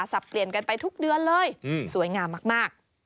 สับเปลี่ยนกันไปทุกเดือนเลยสวยงามมาก